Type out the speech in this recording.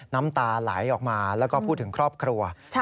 น้ำตาไหลออกมาแล้วก็พูดถึงครอบครัว